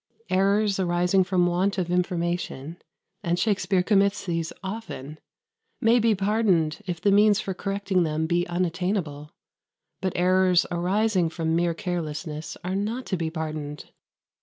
Errors arising from want of information (and Shakspere commits these often) may be pardoned if the means for correcting them be unattainable; but errors arising from mere carelessness are not to be pardoned.